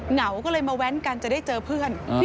เหงาก็เลยมาแว้นกันจะได้เจอเพื่อน